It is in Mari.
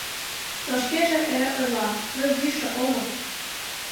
Но шкеже эре ойла: «Мый йӱшӧ омыл!